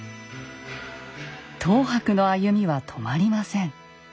等伯の歩みは止まりません。